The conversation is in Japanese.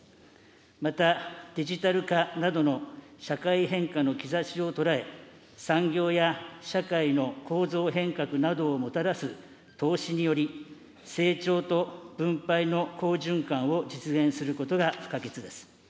またデジタル化などの社会変化の兆しを捉え、産業や社会の構造変革などをもたらす投資により、成長と分配の好循環を実現することが不可欠です。